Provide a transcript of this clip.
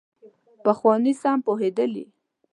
پخواني سم پوهېدلي.